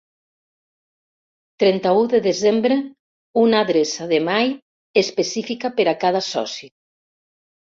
Trenta-u de desembre, una adreça d'e-mail específica per a cada soci.